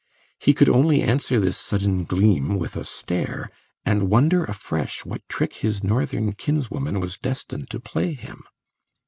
He could only answer this sudden gleam with a stare, and wonder afresh what trick his Northern kinswoman was destined to play him.